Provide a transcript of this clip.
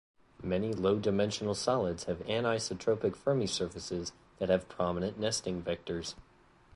Many low-dimensional solids have anisotropic Fermi surfaces that have prominent nesting vectors.